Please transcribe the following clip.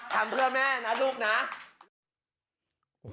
ทำเพื่อแม่นะลูกนะ